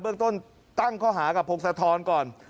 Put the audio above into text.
หรืออเปิกต้นตั้งเขาหากับโภคสะท้อนก่อน